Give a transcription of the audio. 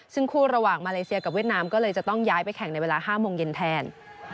ซึ่งคู่ระหว่างมาเลเซียกับเวียดนามก็เลยจะต้องย้ายไปแข่งในเวลา๕โมงเย็นแทน